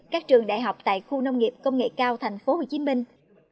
các trường đại học tại khu nông nghiệp công nghệ cao thành phố hồ chí minh